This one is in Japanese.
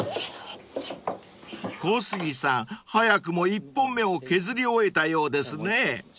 ［小杉さん早くも１本目を削り終えたようですね］